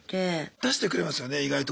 出してくれますよね意外と。